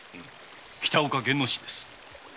北岡源之進です。